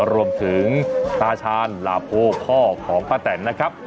รวมถึงตาชาญหลาโพพ่อของป้าแตนนะครับ